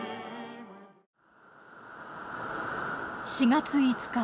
４月５日。